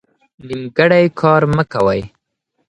نیمګړی کار مه کوئ.